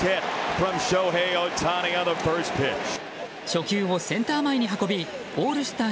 初球をセンター前に運びオールスター